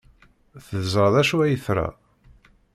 Teẓra d acu ay tra.